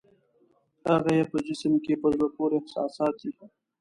هغه یې په جسم کې په زړه پورې احساسات دي.